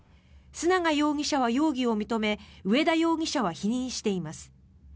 須永容疑者は容疑を認め上田容疑者は否認しています。